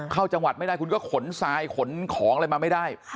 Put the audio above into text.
เข้าจังหวัดไม่ได้คุณก็ขนทรายขนของอะไรมาไม่ได้